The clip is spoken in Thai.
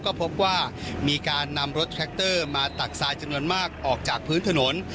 ก็พบว่ามีการนำรถแทรคเตอร์มาตักทรายจำนวนมากออกจากพื้นถนน